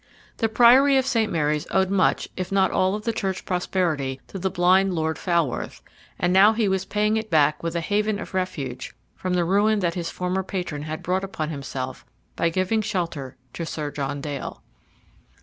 The Prior of St. Mary's owed much if not all of the church's prosperity to the blind Lord Falworth, and now he was paying it back with a haven of refuge from the ruin that his former patron had brought upon himself by giving shelter to Sir John Dale.